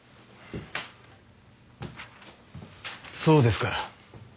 そうですか。